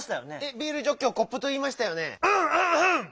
「ビールジョッキ」を「コップ」といいましたよね。